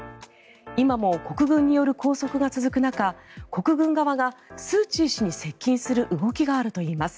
今も国軍による拘束が続く中国軍側がスーチー氏に接近する動きがあるといいます。